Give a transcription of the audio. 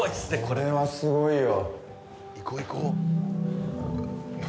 これはスゴいよ